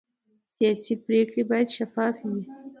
سیاسي پرېکړې باید شفافې وي